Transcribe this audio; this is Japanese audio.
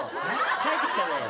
帰ってきただよ。